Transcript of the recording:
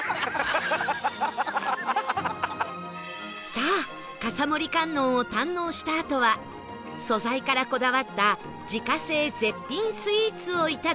さあ笠森観音を堪能したあとは素材からこだわった自家製絶品スイーツを頂きましょう